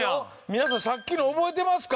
皆さんさっきの覚えてますか？